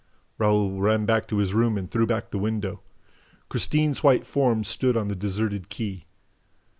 Raoul ran back to his room and threw back the window. Christine's white form stood on the deserted quay.